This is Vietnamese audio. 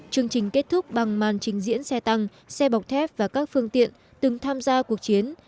chương trình kết thúc bằng màn trình diễn xe tăng xe bọc thép và các phương tiện từng tham gia cuộc chiến